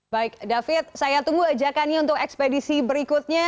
baik david saya tunggu ajakannya untuk ekspedisi berikutnya